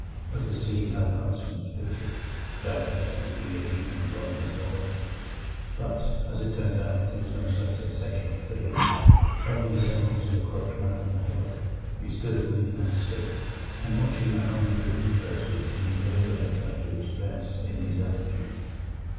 Let us see how the huntsman is pictured: doubtless it will be a demon blowing his horn."' But, as it turned out, there was no such sensational figure, only the semblance of a cloaked man on a hillock, who stood leaning on a stick, and watching the hunt with an interest which the engraver had tried to express in his attitude.